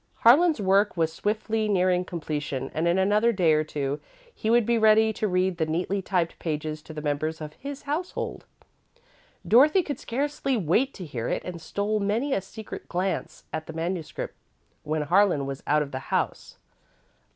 Harlan's work was swiftly nearing completion, and in another day or two, he would be ready to read the neatly typed pages to the members of his household. Dorothy could scarcely wait to hear it, and stole many a secret glance at the manuscript when Harlan was out of the house.